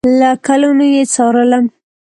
له کلونو یې څارلم